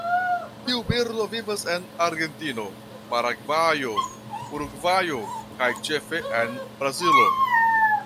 Tiu birdo vivas en Argentino, Paragvajo, Urugvajo kaj ĉefe en Brazilo.